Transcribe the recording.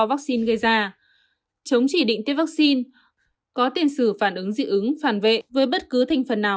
vaccine gây ra chống chỉ định tiêm vaccine có tiền sử phản ứng dị ứng phản vệ với bất cứ thành phần nào